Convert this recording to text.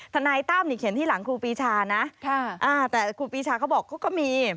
ทนายตั้มนี่เขียนที่หลังครูปีชานะแต่ครูปีชาเขาบอกเขาก็มี